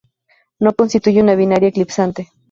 No constituye una binaria eclipsante.